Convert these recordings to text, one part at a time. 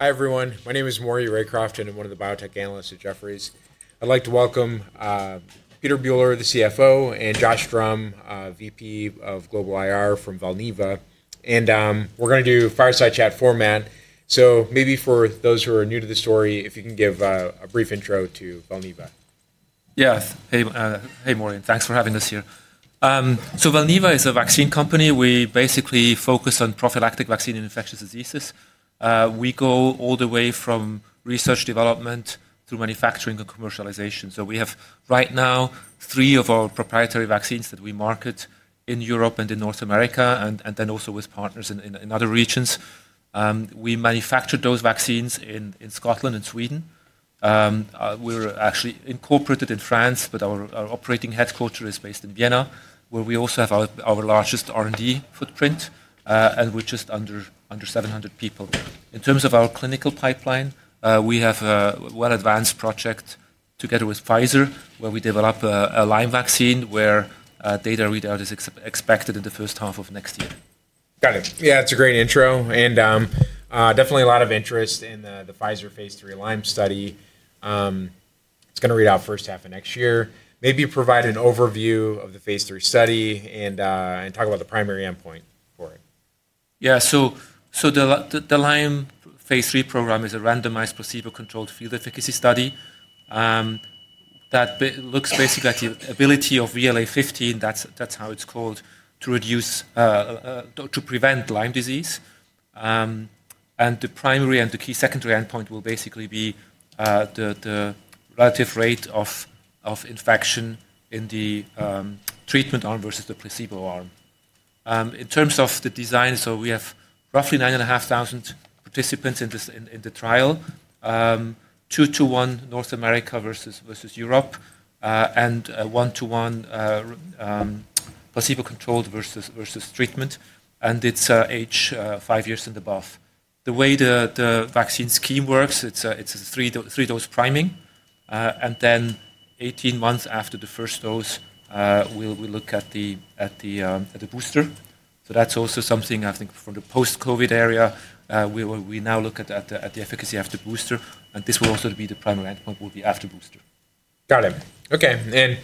Hi, everyone. My name is Maury Raycroft, and I'm one of the biotech analysts at Jefferies. I'd like to welcome Peter Bühler, the CFO, and Josh Drumm, VP of Global IR from Valneva. We're going to do fireside chat format. Maybe for those who are new to the story, if you can give a brief intro to Valneva. Yes. Hey, Maury. Thanks for having us here. Valneva is a vaccine company. We basically focus on prophylactic vaccine and infectious diseases. We go all the way from research development through manufacturing and commercialization. We have right now three of our proprietary vaccines that we market in Europe and in North America, and then also with partners in other regions. We manufacture those vaccines in Scotland and Sweden. We are actually incorporated in France, but our operating headquarters is based in Vienna, where we also have our largest R&D footprint, and we are just under 700 people. In terms of our clinical pipeline, we have a well-advanced project together with Pfizer, where we develop a Lyme vaccine where data readout is expected in the first half of next year. Got it. Yeah, that's a great intro. Definitely a lot of interest in the Pfizer phase III Lyme study. It's going to read out first half of next year. Maybe you provide an overview of the phase III study and talk about the primary endpoint for it. Yeah. The Lyme phase III program is a randomized placebo-controlled field efficacy study that looks basically at the ability of VLA15, that's how it's called, to prevent Lyme disease. The primary and the key secondary endpoint will basically be the relative rate of infection in the treatment arm versus the placebo arm. In terms of the design, we have roughly 9,500 participants in the trial, 2:1 North America versus Europe, and 1:1 placebo-controlled versus treatment. It's age 5 years and above. The way the vaccine scheme works, it's a three-dose priming. Then 18 months after the first dose, we look at the booster. That's also something, I think, from the post-COVID area. We now look at the efficacy after booster. This will also be the primary endpoint, will be after booster. Got it. OK.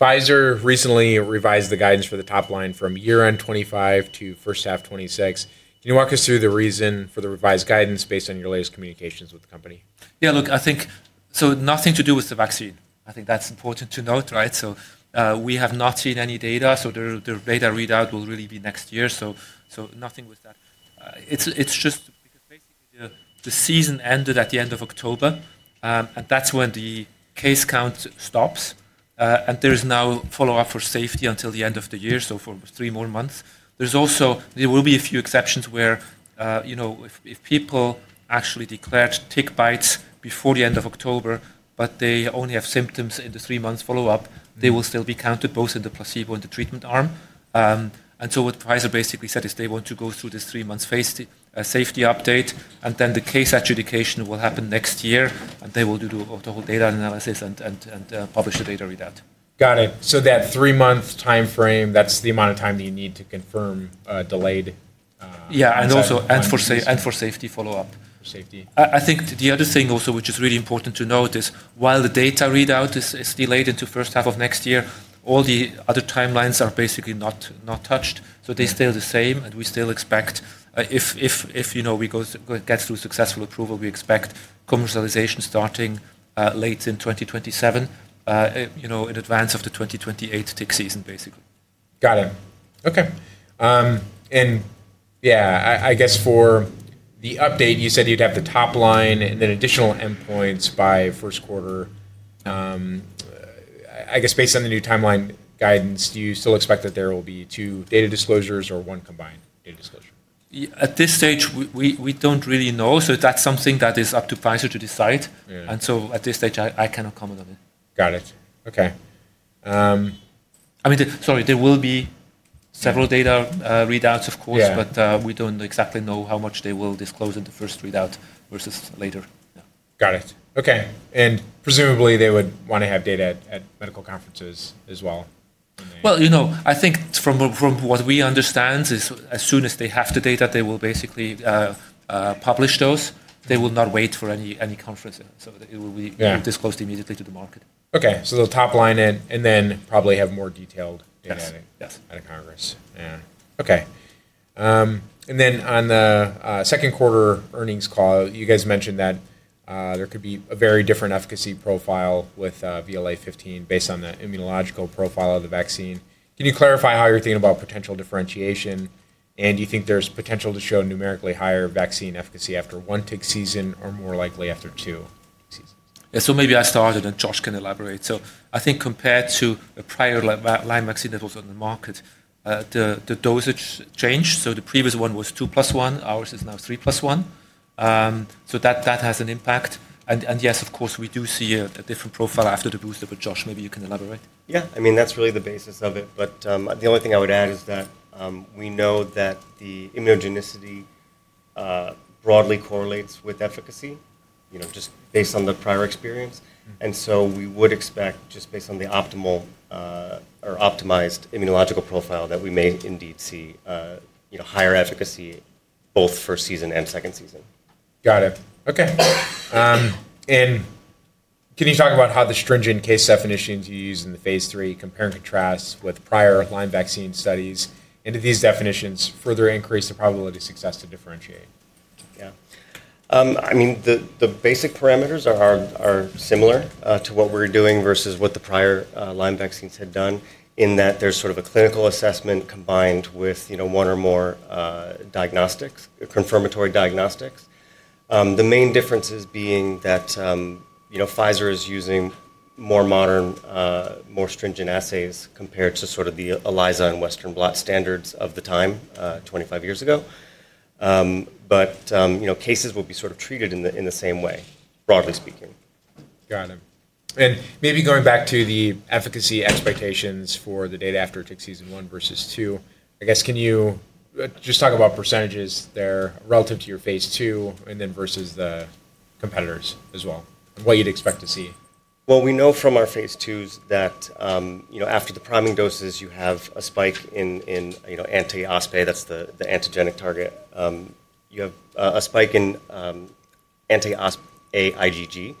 Pfizer recently revised the guidance for the top line from year-end 2025 to first half 2026. Can you walk us through the reason for the revised guidance based on your latest communications with the company? Yeah, look, I think so nothing to do with the vaccine. I think that's important to note, right? We have not seen any data. The data readout will really be next year. Nothing with that. It's just because basically the season ended at the end of October. That's when the case count stops. There is no follow-up for safety until the end of the year, so for three more months. There will be a few exceptions where if people actually declared tick bites before the end of October, but they only have symptoms in the three-month follow-up, they will still be counted both in the placebo and the treatment arm. What Pfizer basically said is they want to go through this three-month safety update. The case adjudication will happen next year. They will do the whole data analysis and publish the data readout. Got it. That three-month time frame, that's the amount of time that you need to confirm a delayed vaccine. Yeah, and also for safety follow-up. For safety. I think the other thing also which is really important to note is while the data readout is delayed into the first half of next year, all the other timelines are basically not touched. They stay the same. We still expect if we get through successful approval, we expect commercialization starting late in 2027, in advance of the 2028 tick season, basically. Got it. OK. Yeah, I guess for the update, you said you'd have the top line and then additional endpoints by first quarter. I guess based on the new timeline guidance, do you still expect that there will be two data disclosures or one combined data disclosure? At this stage, we do not really know. That is something that is up to Pfizer to decide. At this stage, I cannot comment on it. Got it. OK. I mean, sorry, there will be several data readouts, of course, but we don't exactly know how much they will disclose in the first readout versus later. Got it. OK. Presumably, they would want to have data at medical conferences as well. I think from what we understand is as soon as they have the data, they will basically publish those. They will not wait for any conference. It will be disclosed immediately to the market. OK. The top line and then probably have more detailed data at a congress. Yes. Yeah. OK. On the second quarter earnings call, you guys mentioned that there could be a very different efficacy profile with VLA15 based on the immunological profile of the vaccine. Can you clarify how you're thinking about potential differentiation? Do you think there's potential to show numerically higher vaccine efficacy after one tick season or more likely after two seasons? Yeah, maybe I started, and Josh can elaborate. I think compared to the prior Lyme vaccine that was on the market, the dosage changed. The previous one was 2 + 1. Ours is now 3 + 1. That has an impact. Yes, of course, we do see a different profile after the booster. Josh, maybe you can elaborate. Yeah. I mean, that's really the basis of it. The only thing I would add is that we know that the immunogenicity broadly correlates with efficacy, just based on the prior experience. We would expect just based on the optimal or optimized immunological profile that we may indeed see higher efficacy both first season and second season. Got it. OK. Can you talk about how the stringent case definitions you use in the phase III compare and contrast with prior Lyme vaccine studies? Do these definitions further increase the probability of success to differentiate? Yeah. I mean, the basic parameters are similar to what we're doing versus what the prior Lyme vaccines had done in that there's sort of a clinical assessment combined with one or more diagnostics, confirmatory diagnostics. The main differences being that Pfizer is using more modern, more stringent assays compared to sort of the ELISA and Western blot standards of the time 25 years ago. Cases will be sort of treated in the same way, broadly speaking. Got it. Maybe going back to the efficacy expectations for the data after tick season one versus two, I guess can you just talk about percentages there relative to your phase II and then versus the competitors as well? What you'd expect to see? We know from our phase IIs that after the priming doses, you have a spike in anti-OspA IgG, that is the antigenic target. You have a spike in anti-OspA IgG,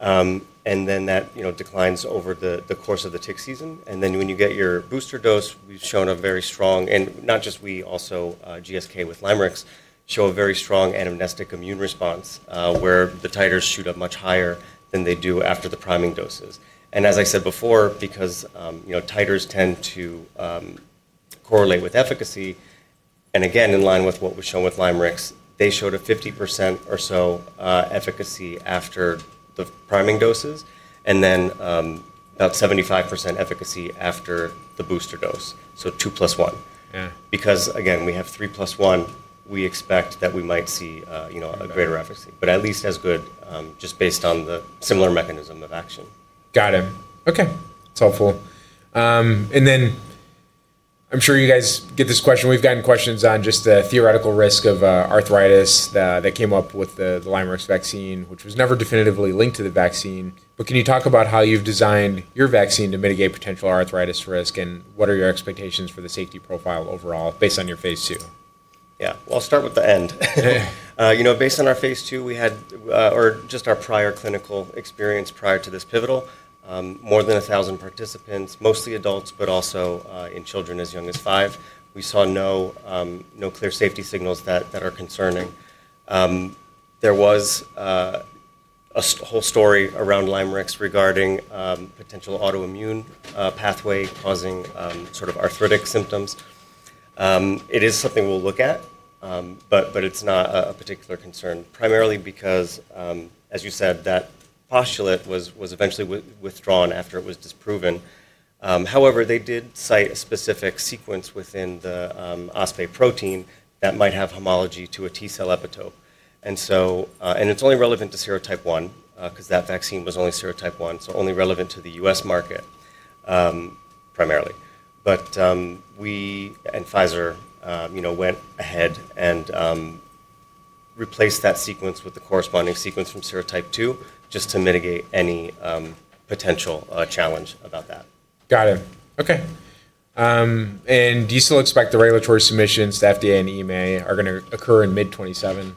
and then that declines over the course of the tick season. When you get your booster dose, we have shown a very strong, and not just we, also GSK with LYMErix, show a very strong anamnestic immune response where the titers shoot up much higher than they do after the priming doses. As I said before, because titers tend to correlate with efficacy, and again, in line with what was shown with LYMErix, they showed a 50% or so efficacy after the priming doses and then about 75% efficacy after the booster dose. 2 + 1. Because again, we have 3 + 1, we expect that we might see a greater efficacy, but at least as good just based on the similar mechanism of action. Got it. OK. That's helpful. I'm sure you guys get this question. We've gotten questions on just the theoretical risk of arthritis that came up with the LYMErix vaccine, which was never definitively linked to the vaccine. Can you talk about how you've designed your vaccine to mitigate potential arthritis risk? What are your expectations for the safety profile overall based on your phase II? Yeah. I'll start with the end. Based on our phase II, we had, or just our prior clinical experience prior to this pivotal, more than 1,000 participants, mostly adults, but also in children as young as five. We saw no clear safety signals that are concerning. There was a whole story around LYMErix regarding potential autoimmune pathway causing sort of arthritic symptoms. It is something we'll look at, but it's not a particular concern, primarily because, as you said, that postulate was eventually withdrawn after it was disproven. However, they did cite a specific sequence within the OspA protein that might have homology to a T cell epitope. And it's only relevant to serotype 1 because that vaccine was only serotype 1, so only relevant to the U.S. market primarily. We and Pfizer went ahead and replaced that sequence with the corresponding sequence from serotype 2 just to mitigate any potential challenge about that. Got it. OK. Do you still expect the regulatory submissions to FDA and EMA are going to occur in mid-2027?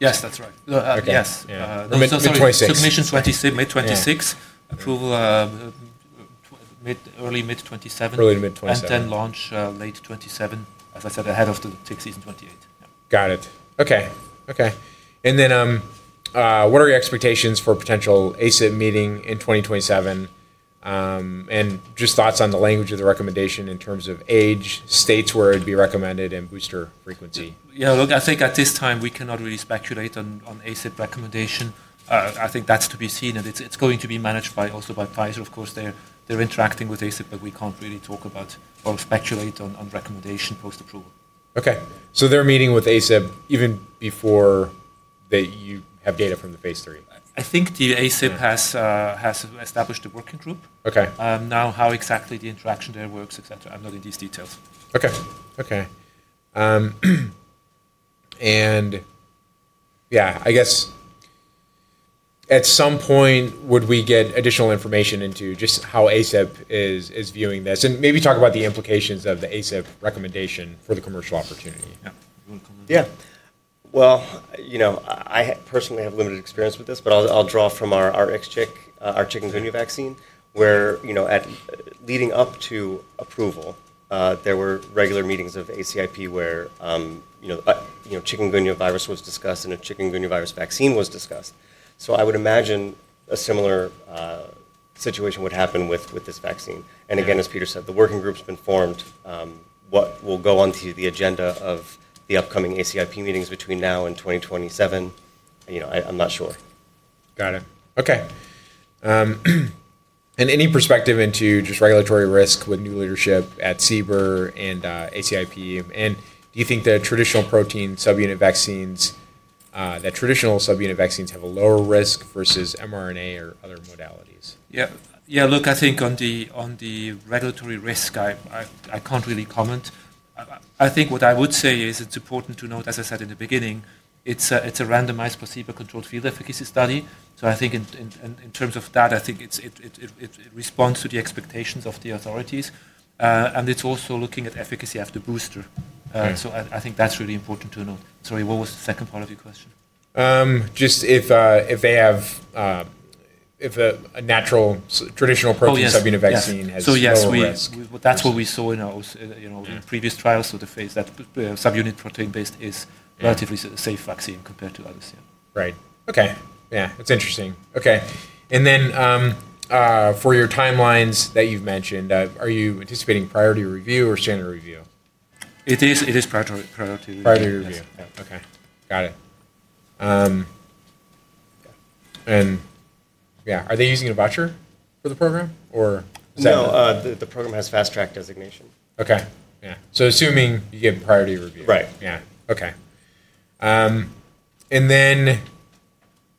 Yes, that's right. Yes. Mid-2026. Submissions mid-2026, approval early mid-2027. Early mid-2027. Launch late 2027, as I said, ahead of the tick season 2028. Got it. OK. OK. What are your expectations for potential ACIP meeting in 2027? Just thoughts on the language of the recommendation in terms of age, states where it would be recommended, and booster frequency. Yeah, look, I think at this time, we cannot really speculate on ACIP recommendation. I think that's to be seen. It is going to be managed also by Pfizer. Of course, they're interacting with ACIP, but we can't really talk about or speculate on recommendation post-approval. OK. So they're meeting with ACIP even before you have data from the phase III? I think the ACIP has established a working group. Now how exactly the interaction there works, et cetera, I'm not in these details. OK. OK. Yeah, I guess at some point, would we get additional information into just how ACIP is viewing this? Maybe talk about the implications of the ACIP recommendation for the commercial opportunity. Yeah. I personally have limited experience with this, but I'll draw from our chikungunya vaccine where leading up to approval, there were regular meetings of ACIP where chikungunya virus was discussed and a chikungunya virus vaccine was discussed. I would imagine a similar situation would happen with this vaccine. Again, as Peter said, the working group's been formed. What will go onto the agenda of the upcoming ACIP meetings between now and 2027? I'm not sure. Got it. OK. Any perspective into just regulatory risk with new leadership at CBER and ACIP? Do you think the traditional protein subunit vaccines, the traditional subunit vaccines have a lower risk versus mRNA or other modalities? Yeah. Yeah, look, I think on the regulatory risk, I can't really comment. I think what I would say is it's important to note, as I said in the beginning, it's a randomized placebo-controlled field efficacy study. I think in terms of that, I think it responds to the expectations of the authorities. It's also looking at efficacy after booster. I think that's really important to note. Sorry, what was the second part of your question? Just if they have, if a natural traditional protein subunit vaccine has lower risk. Yes, that's what we saw in previous trials. The phase that subunit protein-based is relatively safe vaccine compared to others. Right. OK. Yeah, that's interesting. OK. For your timelines that you've mentioned, are you anticipating priority review or standard review? It is priority review. Priority review. OK. Got it. Yeah, are they using a voucher for the program or is that? No, the program has fast-track designation. OK. Yeah. Assuming you get priority review. Right. Yeah. OK.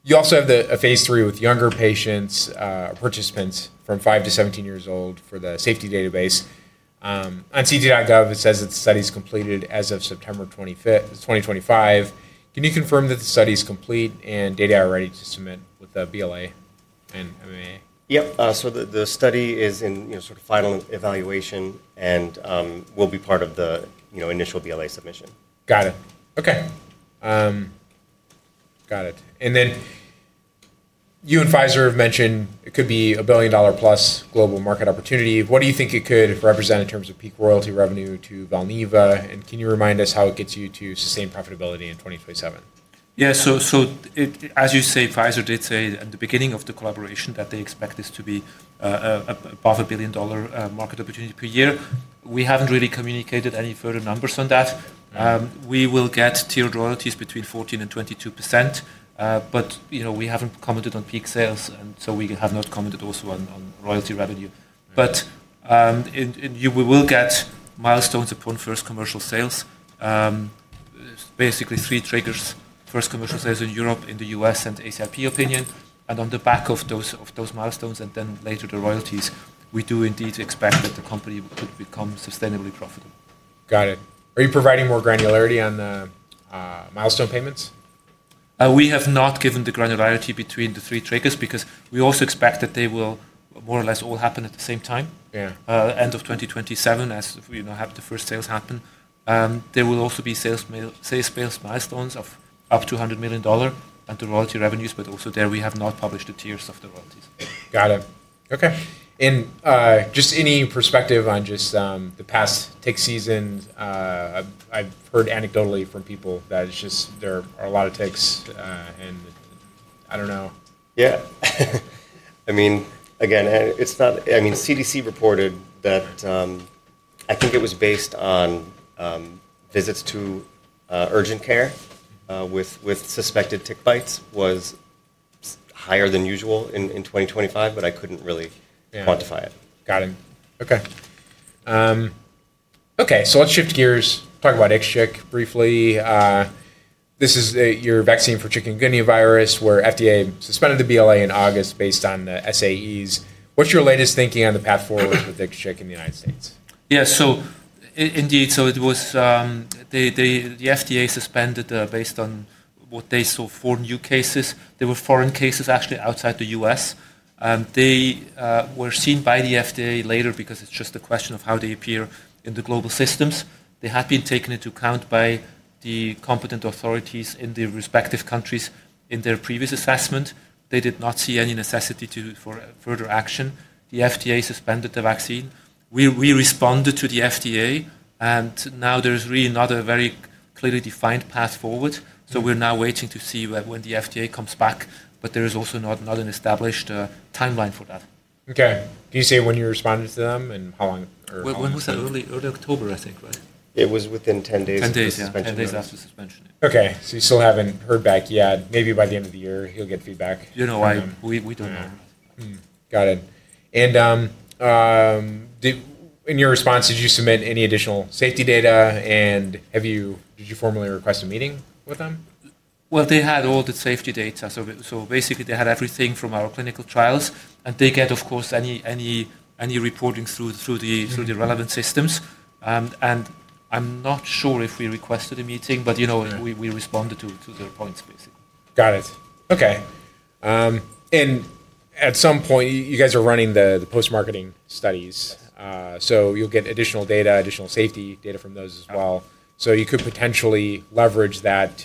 You also have a phase III with younger patients, participants from 5 to 17 years old for the safety database. On [cdc.gov], it says that the study is completed as of September 2025. Can you confirm that the study is complete and data are ready to submit with the BLA and MAA? Yep. The study is in sort of final evaluation and will be part of the initial BLA submission. Got it. OK. Got it. You and Pfizer have mentioned it could be a billion-dollar-plus global market opportunity. What do you think it could represent in terms of peak royalty revenue to Valneva? Can you remind us how it gets you to sustained profitability in 2027? Yeah. As you say, Pfizer did say at the beginning of the collaboration that they expect this to be above a $1 billion market opportunity per year. We have not really communicated any further numbers on that. We will get tiered royalties between 14% and 22%. We have not commented on peak sales. We have not commented also on royalty revenue. We will get milestones upon first commercial sales, basically three triggers, first commercial sales in Europe, in the U.S., and ACIP opinion. On the back of those milestones and then later the royalties, we do indeed expect that the company could become sustainably profitable. Got it. Are you providing more granularity on the milestone payments? We have not given the granularity between the three triggers because we also expect that they will more or less all happen at the same time, end of 2027 as we have the first sales happen. There will also be sales milestones of up to $100 million and the royalty revenues. Also there, we have not published the tiers of the royalties. Got it. OK. Any perspective on just the past tick seasons? I've heard anecdotally from people that it's just there are a lot of ticks and I don't know. Yeah. I mean, again, I mean, CDC reported that I think it was based on visits to urgent care with suspected tick bites was higher than usual in 2025, but I could not really quantify it. Got it. OK. OK. Let's shift gears, talk about IXCHIQ briefly. This is your vaccine for chikungunya virus where FDA suspended the BLA in August based on the SAEs. What's your latest thinking on the path forward with IXCHIQ in the United States? Yeah. So indeed, it was the FDA suspended based on what they saw for new cases. There were foreign cases actually outside the U.S. They were seen by the FDA later because it's just a question of how they appear in the global systems. They had been taken into account by the competent authorities in their respective countries in their previous assessment. They did not see any necessity to further action. The FDA suspended the vaccine. We responded to the FDA. Now there is really not a very clearly defined path forward. We're now waiting to see when the FDA comes back. There is also not an established timeline for that. OK. Can you say when you responded to them and how long? When was that? Early October, I think, right? It was within 10 days of suspension. Ten days after suspension. OK. You still haven't heard back yet. Maybe by the end of the year, you'll get feedback. You know why? We don't know. Got it. In your response, did you submit any additional safety data? Did you formally request a meeting with them? They had all the safety data. Basically, they had everything from our clinical trials. They get, of course, any reporting through the relevant systems. I'm not sure if we requested a meeting, but we responded to their points, basically. Got it. OK. At some point, you guys are running the post-marketing studies. You will get additional data, additional safety data from those as well. You could potentially leverage that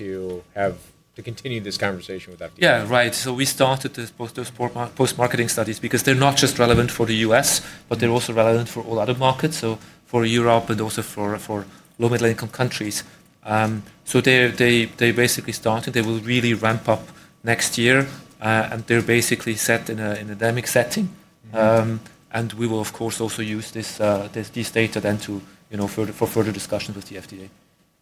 to continue this conversation with FDA. Yeah, right. We started those post-marketing studies because they're not just relevant for the U.S., but they're also relevant for all other markets, for Europe and also for low-middle-income countries. They basically started. They will really ramp up next year. They're basically set in a dynamic setting. We will, of course, also use these data then for further discussions with the FDA.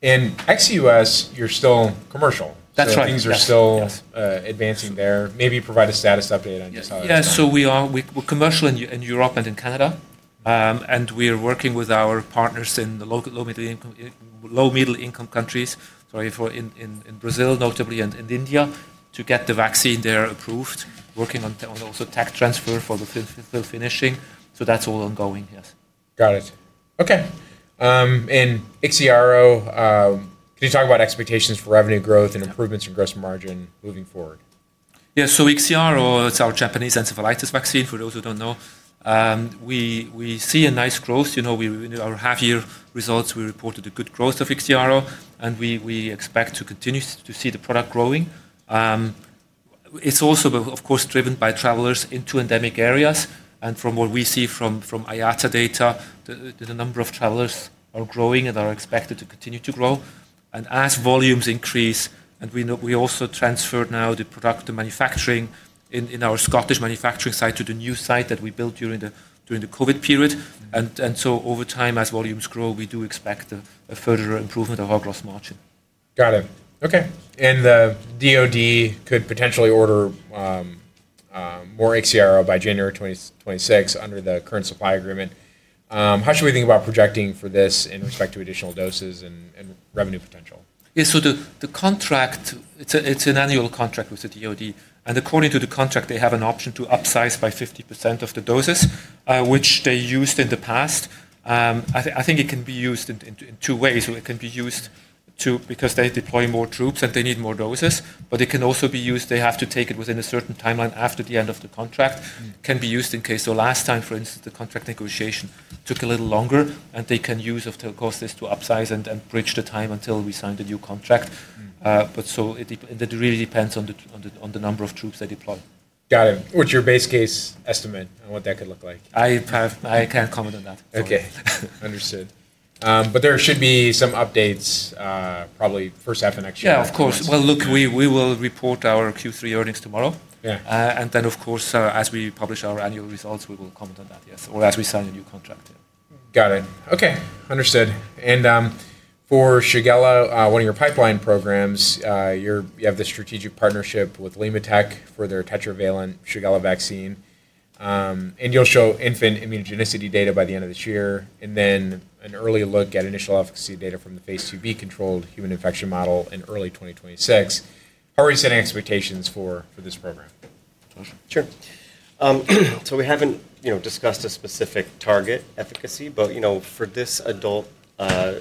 Ex-U.S., you're still commercial. That's right. Things are still advancing there. Maybe provide a status update on just how that's going. Yeah. We are commercial in Europe and in Canada. We are working with our partners in the low-middle-income countries, sorry, in Brazil, notably, and in India, to get the vaccine there approved, working on also tech transfer for the finishing. That is all ongoing, yes. Got it. OK. And IXIARO, can you talk about expectations for revenue growth and improvements in gross margin moving forward? Yeah. So IXIARO, it's our Japanese encephalitis vaccine, for those who don't know. We see a nice growth. In our half-year results, we reported a good growth of IXIARO. We expect to continue to see the product growing. It's also, of course, driven by travelers into endemic areas. From what we see from IATA data, the number of travelers are growing and are expected to continue to grow. As volumes increase, we also transferred now the product to manufacturing in our Scottish manufacturing site, to the new site that we built during the COVID period. Over time, as volumes grow, we do expect a further improvement of our gross margin. Got it. OK. The DOD could potentially order more IXIARO by January 2026 under the current supply agreement. How should we think about projecting for this in respect to additional doses and revenue potential? Yeah. The contract, it's an annual contract with the DOD. According to the contract, they have an option to upsize by 50% of the doses, which they used in the past. I think it can be used in two ways. It can be used because they deploy more troops and they need more doses. It can also be used, they have to take it within a certain timeline after the end of the contract. It can be used in case the last time, for instance, the contract negotiation took a little longer. They can use, of course, this to upsize and bridge the time until we sign the new contract. It really depends on the number of troops they deploy. Got it. What's your base case estimate on what that could look like? I can't comment on that. OK. Understood. There should be some updates, probably first half of next year. Yeah, of course. Look, we will report our Q3 earnings tomorrow. As we publish our annual results, we will comment on that, yes, or as we sign a new contract. Got it. OK. Understood. For Shigella, one of your pipeline programs, you have the strategic partnership with LimmaTech for their tetravalent Shigella vaccine. You'll show infant immunogenicity data by the end of this year, and then an early look at initial efficacy data from the phase II-B controlled human infection model in early 2026. How are you setting expectations for this program? Sure. We have not discussed a specific target efficacy. For this adult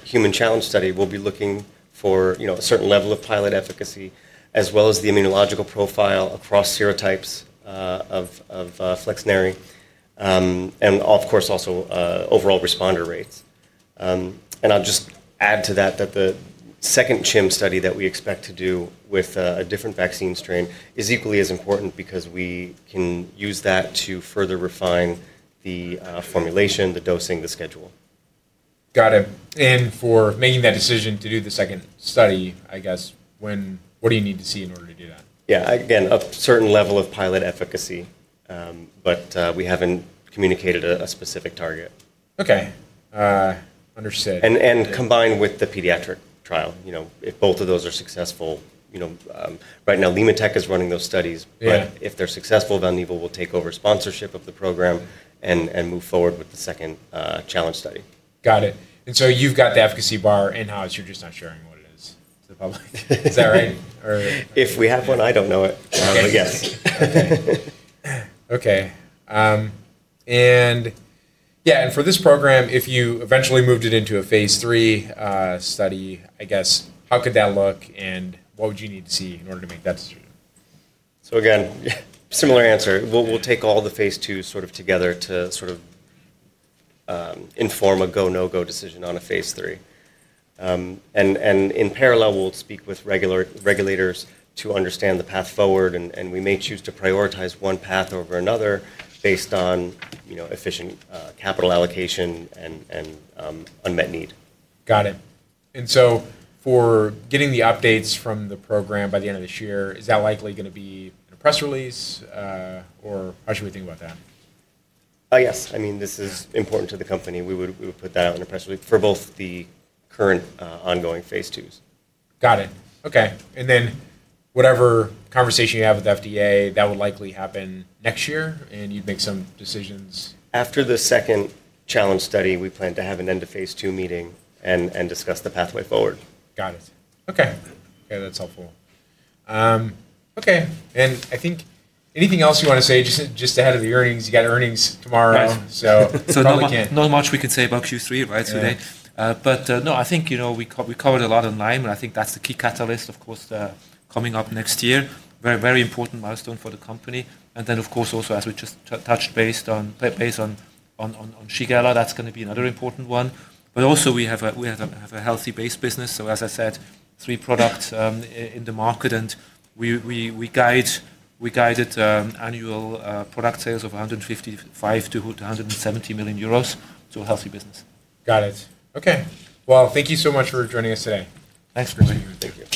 human challenge study, we will be looking for a certain level of pilot efficacy, as well as the immunological profile across serotypes of Flexneri, and of course, also overall responder rates. I will just add to that that the second CHIM study that we expect to do with a different vaccine strain is equally as important because we can use that to further refine the formulation, the dosing, the schedule. Got it. For making that decision to do the second study, I guess, what do you need to see in order to do that? Yeah. Again, a certain level of pilot efficacy. We haven't communicated a specific target. OK. Understood. Combined with the pediatric trial, if both of those are successful. Right now, LimmaTech is running those studies. If they're successful, Valneva will take over sponsorship of the program and move forward with the second challenge study. Got it. You have the efficacy bar in-house. You are just not sharing what it is to the public. Is that right? If we have one, I don't know it. I'll guess. OK. Yeah, and for this program, if you eventually moved it into a phase III study, I guess, how could that look? What would you need to see in order to make that decision? Again, similar answer. We'll take all the phase IIs sort of together to sort of inform a go, no-go decision on a phase III. In parallel, we'll speak with regulators to understand the path forward. We may choose to prioritize one path over another based on efficient capital allocation and unmet need. Got it. For getting the updates from the program by the end of this year, is that likely going to be in a press release? Or how should we think about that? Yes. I mean, this is important to the company. We would put that out in a press release for both the current ongoing phase IIs. Got it. OK. Whatever conversation you have with FDA, that would likely happen next year. You'd make some decisions. After the second challenge study, we plan to have an end-to-phase II meeting and discuss the pathway forward. Got it. OK. OK. That's helpful. OK. I think anything else you want to say just ahead of the earnings? You got earnings tomorrow. Not much we can say about Q3, right, today. No, I think we covered a lot online. I think that's the key catalyst, of course, coming up next year, a very, very important milestone for the company. Of course, also, as we just touched based on Shigella, that's going to be another important one. Also, we have a healthy base business. As I said, three products in the market. We guided annual product sales of 155 million-170 million euros. A healthy business. Got it. OK. Thank you so much for joining us today. Thanks for having me. Thank you.